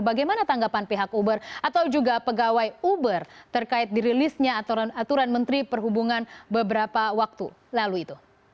bagaimana tanggapan pihak uber atau juga pegawai uber terkait dirilisnya aturan menteri perhubungan beberapa waktu lalu itu